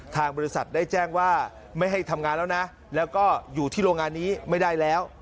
ทางบริษัทได้แจ้งว่าไม่ให้ทำงานแล้วนะแล้วก็อยู่ที่โรงงานนี้ไม่ได้แล้ว